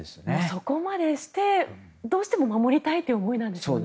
そこまでしてどうしても守りたいという思いなんでしょうね。